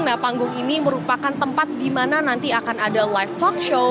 nah panggung ini merupakan tempat di mana nanti akan ada live talk show